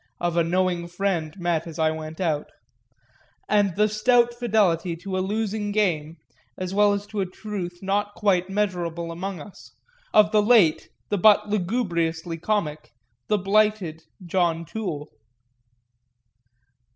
of a knowing friend met as I went out,) and the stout fidelity to a losing game, as well as to a truth not quite measurable among us, of the late, the but lugubriously comic, the blighted John Toole.